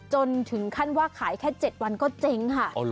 จนถึงขั้นว่าขายแค่๗วันก็เจ๊งค่ะ